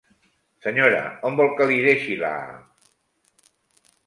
Senyora, on vol que li deixi la...?